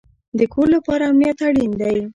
د کور لپاره امنیت اړین دی